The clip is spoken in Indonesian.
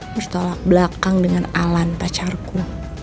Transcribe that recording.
bertolak belakang dengan alan pacarku